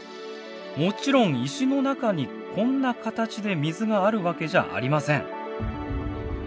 もちろん石の中にこんな形で水があるわけじゃありません。